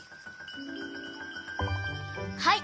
はい。